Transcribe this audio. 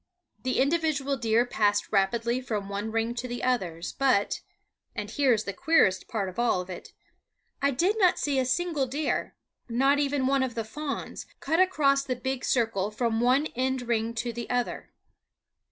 The individual deer passed rapidly from one ring to the others, but and here is the queerest part of it all I did not see a single deer, not even one of the fawns, cut across the big circle from one end ring to the other.